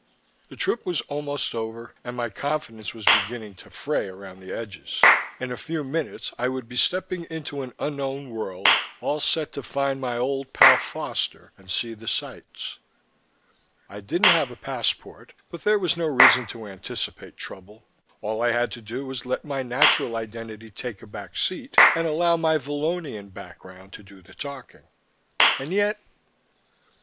The trip was almost over and my confidence was beginning to fray around the edges. In a few minutes I would be stepping into an unknown world, all set to find my old pal Foster and see the sights. I didn't have a passport, but there was no reason to anticipate trouble. All I had to do was let my natural identity take a back seat and allow my Vallonian background to do the talking. And yet....